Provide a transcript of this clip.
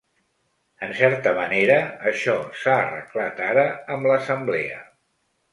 En certa manera, això s’ha arreglat ara amb l’assemblea.